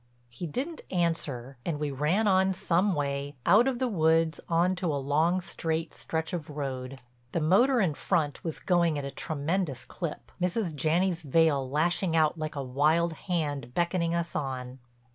He didn't answer and we ran on some way, out of the woods on to a long straight stretch of road. The motor in front was going at a tremendous clip, Mrs. Janney's veil lashing out like a wild hand beckoning us on.